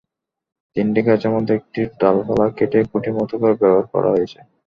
তিনটি গাছের মধ্যে একটির ডালপালা কেটে খুঁটির মতো করে ব্যবহার করা হয়েছে।